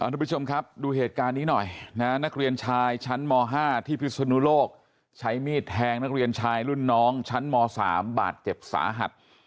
ทุกผู้ชมครับดูเหตุการณ์นี้หน่อยนะนักเรียนชายชั้นม๕ที่พิศนุโลกใช้มีดแทงนักเรียนชายรุ่นน้องชั้นม๓บาดเจ็บสาหัส